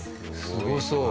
すごそう。